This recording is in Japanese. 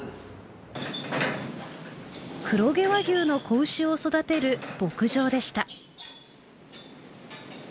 黒毛和牛の子牛を育てる牧場でした。